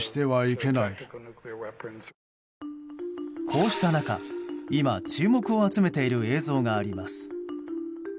こうした中、今注目を集めている映像があります。